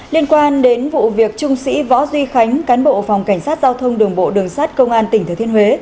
liên quan đến vụ việc trung sĩ võ duy khánh cán bộ phòng cảnh sát giao thông đường bộ đường sát công an tỉnh thừa thiên huế